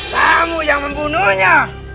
kamu yang membunuhnya